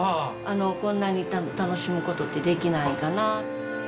こんなに楽しむことってできないかな。